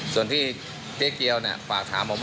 ส่วนที่เจ๊เกียวน่ะ